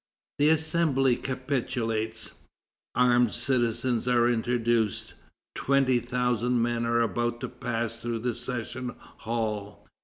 The Assembly capitulates. Armed citizens are introduced. Twenty thousand men are about to pass through the session hall.